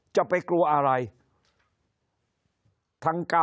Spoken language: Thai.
คนในวงการสื่อ๓๐องค์กร